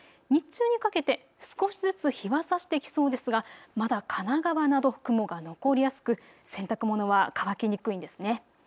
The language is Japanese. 日中にかけて少しずつ日が差してきそうですがまだ神奈川など雲が残りやすく洗濯物は乾きにくいんです。